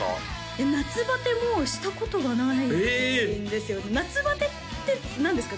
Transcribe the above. えっ夏バテもしたことがないんですよね夏バテって何ですか？